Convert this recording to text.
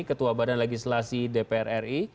ketua badan legislasi dpr ri